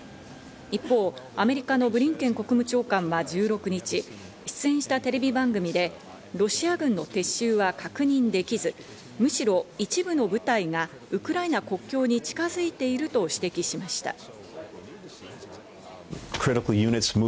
一方、アメリカのブリンケン国務長官は１６日、出演したテレビ番組でロシア軍の撤収は確認できず、むしろ一部の部隊がウクライナ国境に近づいていると指摘しました。